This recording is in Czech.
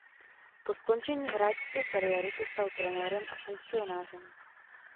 Po skončení hráčské kariéry se stal trenérem a funkcionářem.